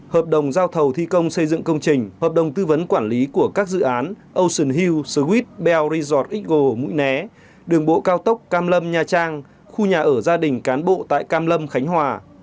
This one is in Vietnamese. hợp đồng giao thầu thi công xây dựng công trình hợp đồng tư vấn quản lý của các dự án ocean hill swift bell resort eagle mũi né đường bộ cao tốc cam lâm nha trang khu nhà ở gia đình cán bộ tại cam lâm khánh hòa